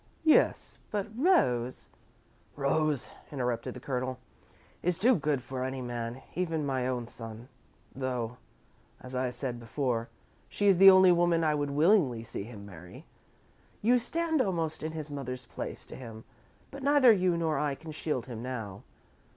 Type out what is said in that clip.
"Yes, but Rose " "Rose," interrupted the Colonel, "is too good for any man even my own son, though, as I said before, she is the only woman I would willingly see him marry. You stand almost in his mother's place to him, but neither you nor I can shield him now.